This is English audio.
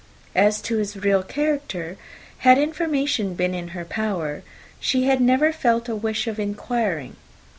As to his real character, had information been in her power, she had never felt a wish of inquiring.